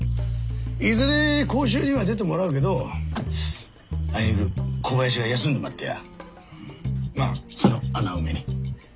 いずれ講習には出てもらうけどあいにく小林が休んでまってやうんまその穴埋めに。